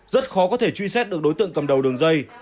rất khó có thể truy xét được đối tượng cầm đầu đường dây